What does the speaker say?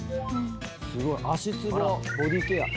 すごい。足つぼボディーケア。